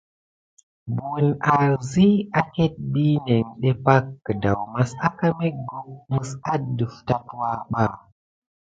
Bəwəne awzi akét binéŋɗé pak, kədawmas aka mécgok məs adəf tatuwa ɓa.